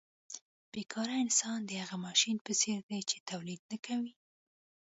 بې کاره انسان د هغه ماشین په څېر دی چې تولید نه کوي